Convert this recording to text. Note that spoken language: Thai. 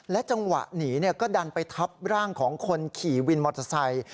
จังหวะหนีก็ดันไปทับร่างของคนขี่วินมอเตอร์ไซค์